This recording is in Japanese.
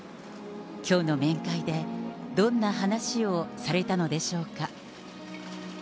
きょうの面会で、どんな話をされたのでしょうか。